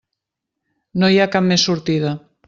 No hi ha cap més sortida.